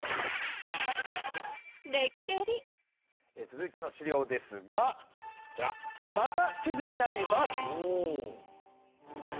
続いての資料ですがこちらまた地図になります。